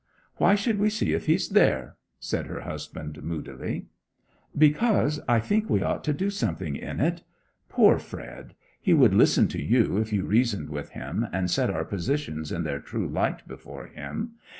'Why should we see if he's there?' said her husband moodily. 'Because I think we ought to do something in it. Poor Fred! He would listen to you if you reasoned with him, and set our positions in their true light before him.